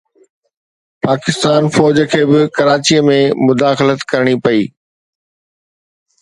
پاڪستان فوج کي به ڪراچي ۾ مداخلت ڪرڻي پئي